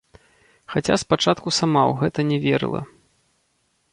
Хаця спачатку сама ў гэта не верыла.